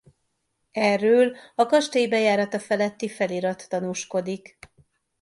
Erről a kastély bejárata feletti felirat tanúskodik.